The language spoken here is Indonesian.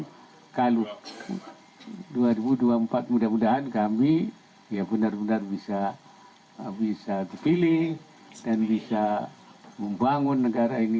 hai kalau dua ribu dua puluh empat mudah mudahan kami ya benar benar bisa bisa dipilih dan bisa membangun negara ini